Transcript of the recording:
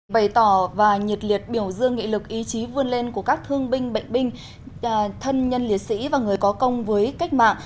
bày tỏ và nhiệt liệt biểu dương nghị lực ý chí vươn lên của các thương binh bệnh binh thân nhân liệt sĩ và người có công với cách mạng